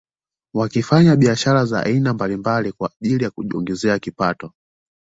Wakifanya biashara za aina mbalimbali kwa ajili ya kujiongezea kipato